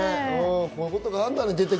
こういうことがあるんだね。